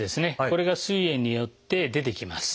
これがすい炎によって出てきます。